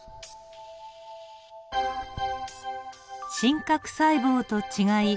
真核細胞と違い